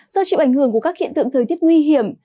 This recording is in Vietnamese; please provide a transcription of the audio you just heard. do chịu ảnh hưởng của các hiện tượng thời tiết nguy hiểm